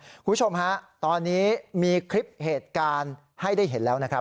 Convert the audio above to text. คุณผู้ชมฮะตอนนี้มีคลิปเหตุการณ์ให้ได้เห็นแล้วนะครับ